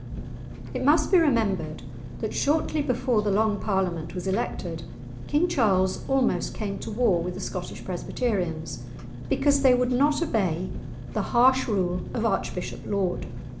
It must be remembered that shortly before the Long Parliament was elected, King Charles almost came to war with the Scottish Presbyterians, because they would not obey the harsh rule of Archbishop Laud.